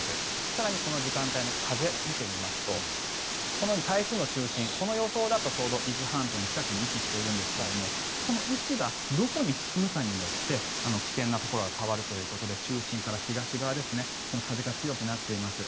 更にこの時間帯の風を見てみますとこのように台風の中心この様子だと伊豆半島の近くに位置しているんですがこの位置がどこに進むかによって危険なところが変わるということで中心から東側ですね風が強くなっています。